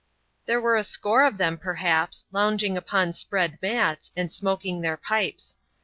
There were a score of them, perhaps, lounging upon spread mats, and smoking their pipes.